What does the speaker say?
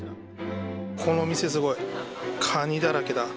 この店すごい、カニだらけだ。